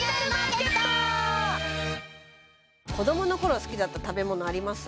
子供の頃好きだった食べ物あります？